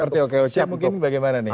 seperti okoj mungkin bagaimana nih